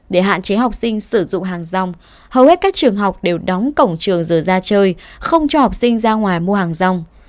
để hạn chế học sinh sử dụng hàng rong hầu hết các trường học đều đóng cổng trường giờ ra chơi không cho học sinh ra ngoài mua hàng rong